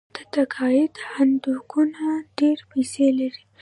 د تقاعد صندوقونه ډیرې پیسې لري.